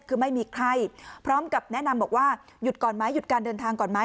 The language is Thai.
คือไม่มีใครพร้อมกับแนะนำบอกว่าหยุดก่อนไหมหยุดการเดินทางก่อนไหม